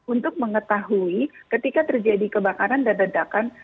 untuk mengetahui ketika terjadi kebakaran dan ledakan